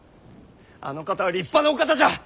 あの方は立派なお方じゃ！